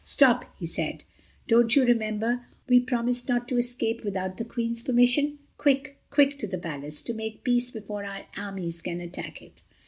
"Stop!" he said, "don't you remember we promised not to escape without the Queen's permission? Quick, quick to the Palace, to make peace before our armies can attack it."